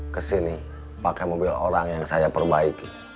kesini pakai mobil orang yang saya perbaiki